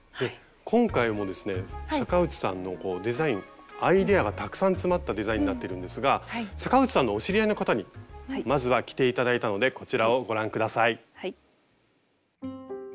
今回もですね坂内さんのデザインアイデアがたくさん詰まったデザインになってるんですが坂内さんのお知り合いの方にまずは着て頂いたのでこちらをご覧下さい。